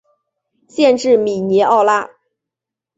县治米尼奥拉。